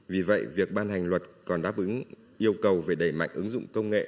vì vậy việc ban hành luật còn đáp ứng yêu cầu về đẩy mạnh ứng dụng công nghệ